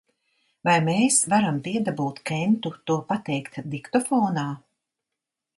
Vai mēs varam piedabūt Kentu to pateikt diktofonā?